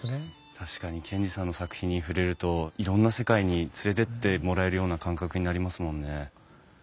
確かに賢治さんの作品に触れるといろんな世界に連れてってもらえるような感覚になりますもんね。